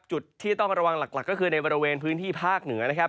จุดที่ต้องระวังหลักก็คือในบริเวณพื้นที่ภาคเหนือนะครับ